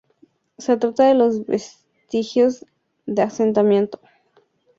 Se trata de los vestigios de asentamiento humano más antiguos de la zona.